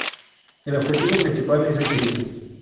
El objetivo principal es el turismo.